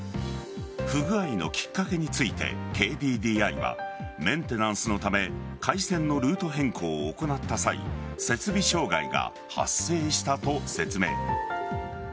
不具合のきっかけについてＫＤＤＩはメンテナンスのため回線のルート変更を行った際設備障害が発生したと説明。